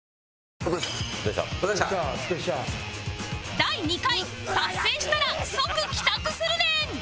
第２回達成したら即帰宅するねん！